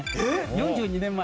４２年前。